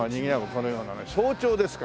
このようなね早朝ですから。